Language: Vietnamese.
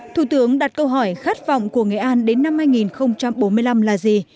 thủ tướng đặt câu hỏi khát vọng của nghệ an đến năm hai nghìn bốn mươi năm là gì